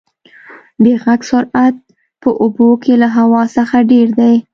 د غږ سرعت په اوبو کې له هوا څخه ډېر دی.